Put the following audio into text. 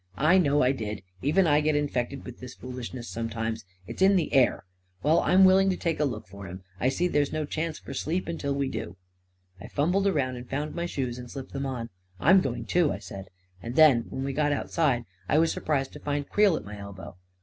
" I know I did — even I get infected with this foolishness sometimes — it's in the air ! Well, I'm willing to take a look for him — I see there is no chance for sleep until we do I " I fumbled around and found my shoes and slipped them on. " I'm going too," I said; and then, when we got outside, I was surprised to find Creel at my elbow.